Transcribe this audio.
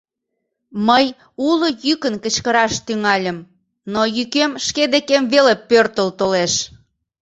Мый уло йӱкын кычкыраш тӱҥальым, но йӱкем шке декем веле пӧртыл толеш.